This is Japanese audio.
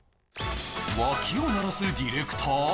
ワキを鳴らすディレクター？